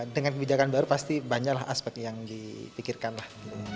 dengan kebijakan baru pasti banyaklah aspek yang dipikirkan lah